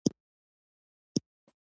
ځینو به اور په خوله کړ او وبه یې خوړ.